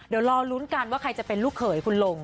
เดี๋ยวรอลุ้นกันว่าใครจะเป็นลูกเขยคุณลุง